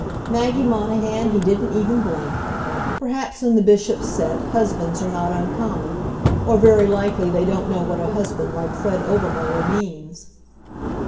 Maggie Monahan, he didn't even blink. Perhaps in the Bishop's set husbands are not uncommon, or very likely they don't know what a husband like Fred Obermuller means.